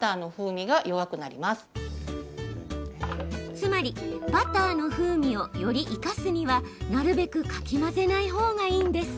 つまりバターの風味をより生かすにはなるべくかき混ぜないほうがいいんです。